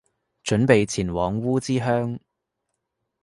準備前往烏之鄉